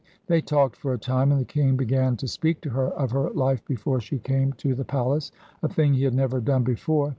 They talked for a time, and the king began to speak to her of her life before she came to the palace, a thing he had never done before.